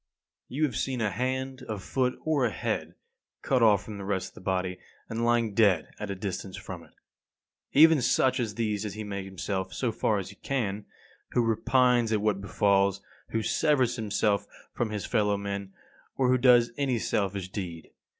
34. You have seen a hand, a foot, or a head, cut off from the rest of the body, and lying dead at a distance from it. Even such as these does he make himself, so far as he can, who repines at what befalls, who severs himself from his fellow men, or who does any selfish deed.